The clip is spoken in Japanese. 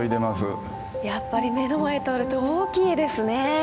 やっぱり目の前となると大きいですね。